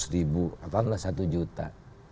delapan ratus ribu atau satu juta